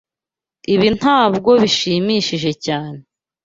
Ibi ntabwo bishimishije cyane.